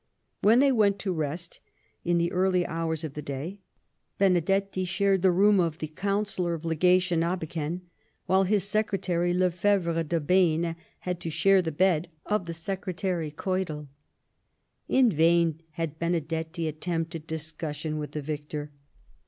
When they went to rest, in the early hours of the day, Benedetti shared the room of the Councillor of Legation, Abeken, while his secretary, Lefevre de Behaine, had to share the bed of the secretary Keudell. In vain had Benedetti attempted dis cussion with the victor.